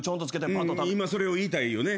うん今それを言いたいよね？